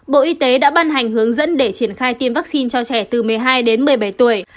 bộ y tế đã ban hành hướng dẫn để triển khai tiêm vaccine cho trẻ từ một mươi hai đến một mươi bảy tuổi